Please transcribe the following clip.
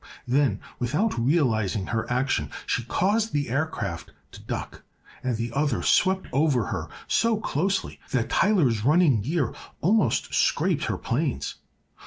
Then, without realizing her action, she caused the aircraft to duck, and the other swept over her so closely that Tyler's running gear almost scraped her planes.